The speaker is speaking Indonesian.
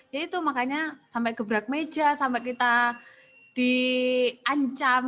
jadi itu makanya sampai gebrak meja sampai kita diancam